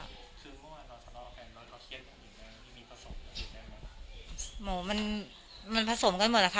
คือเมื่อเราทะเลาะกันเราทะเลาะเครียดอย่างเดียวมันมีผสมอยู่ได้ไหมคะ